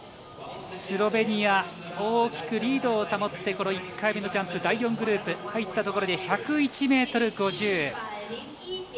スロベニア大きくリードを保ってこの１回目のジャンプ第４グループに入ったところで１０１ｍ５０。